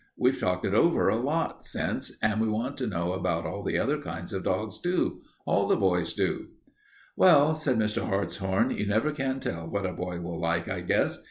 We've talked it over a lot since, and we want to know about all the other kinds of dogs, too. All the boys do." "Well," said Mr. Hartshorn, "you never can tell what a boy will like, I guess.